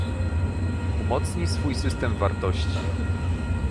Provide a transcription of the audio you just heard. Umocni swój system wartości